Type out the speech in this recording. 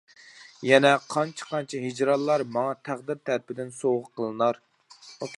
يەنە قانچە-قانچە ھىجرانلار ماڭا تەقدىر تەرىپىدىن سوۋغا قىلىنار.